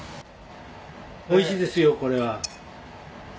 「おいしいですよこれは」